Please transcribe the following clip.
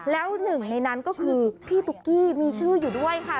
แล้วหนึ่งในนั้นก็คือพี่ตุ๊กกี้มีชื่ออยู่ด้วยค่ะ